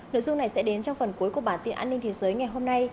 nội dung này sẽ đến trong phần cuối của bản tin an ninh thế giới ngày hôm nay